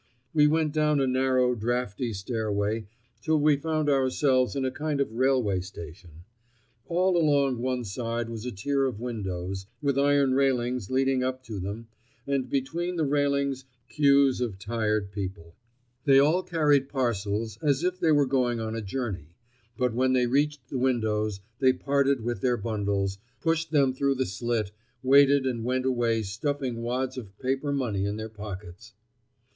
We went down a narrow, draughty stairway till we found ourselves in a kind of railway station. All along one side was a tier of windows, with iron railings leading up to them, and between the railings queues of tired people. They all carried parcels, as if they were going on a journey, but when they reached the windows they parted with their bundles—pushed them through the slit, waited and went away stuffing wads of paper money in their pockets.